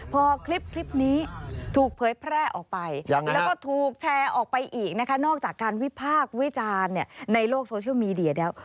พอคลิปนี้ถูกเผยแพร่ออกไปแล้วก็ถูกแชร์ออกไปอีกนะคะนอกจากการวิพากษ์วิจารณ์ในโลกโซเชียลมีเดียแล้ว